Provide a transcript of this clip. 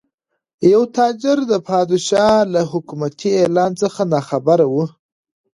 یو تاجر د پادشاه له حکومتي اعلان څخه ناخبره و.